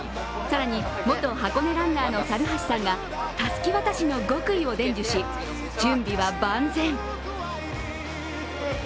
更に元箱根ランナーの猿橋さんがたすき渡しの極意を伝授し、準備は万全。